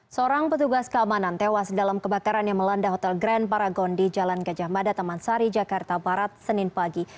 seorang petugas keamanan tewas dalam kebakaran yang melanda hotel grand paragon di jalan gajah mada taman sari jakarta barat senin pagi